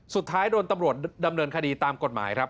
สุดท้ายโดนตำรวจดำเนินคดีตามกฎหมายครับ